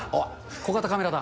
小型カメラだ。